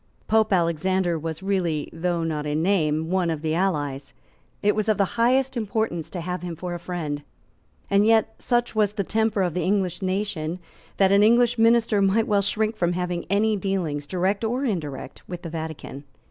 Pope Alexander was really, though not in name, one of the allies; it was of the highest importance to have him for a friend; and yet such was the temper of the English nation that an English minister might well shrink from having any dealings, direct or indirect, with the Vatican.